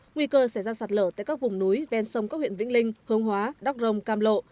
nguy cơ sẽ ra sạt lở tại các vùng núi ven sông các huyện vĩnh linh hương hóa đắc rông cam lộ